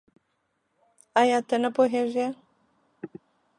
آيا ته نه پوهېږې؟